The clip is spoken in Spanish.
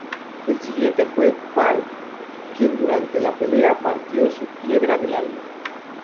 El siguiente fue Baal, quien durante la pelea partió su piedra del alma.